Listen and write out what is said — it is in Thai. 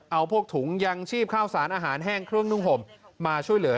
เอาพวกถุงยังชีพข้าวสารอาหารแห้งเครื่องนุ่งห่มมาช่วยเหลือ